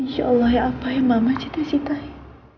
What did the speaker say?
insya allah ya apa ya mama cita citain